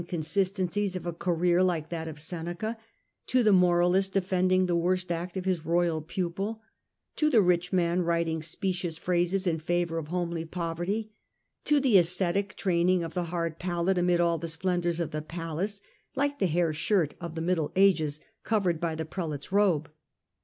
Consistencies of a career like that of Seneca, to the moralist defending the worst act of his royal pupil, to the rich man writing specious phrases in favour of homely poverty, to the ascetic training of the hard pallet amid all the splendours of the palace, like the hair shirt of the middle ages covered by the prelate's robe.